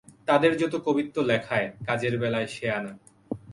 তাদের যত কবিত্ব লেখায়, কাজের বেলায় সেয়ানা।